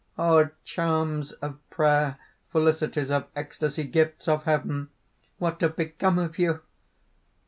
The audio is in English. O charms of prayer, felicities of ecstasy, gifts of heaven, what have become of you?